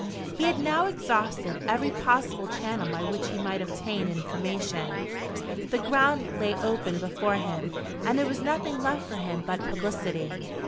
He had now exhausted every possible channel by which he might obtain information. The ground lay open before him, and there was nothing left for him but publicity.